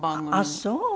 ああそう。